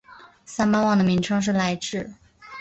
三巴旺的名称是来至。